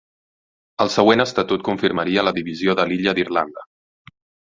El següent estatut confirmaria la divisió de l'Illa d'Irlanda.